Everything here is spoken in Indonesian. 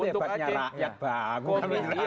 tapi hebatnya rakyat bagus